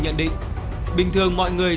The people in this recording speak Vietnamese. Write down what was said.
nhận định bình thường mọi người